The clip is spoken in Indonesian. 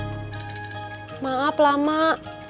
mari kita ramaikan kesanah percopetan di kota ini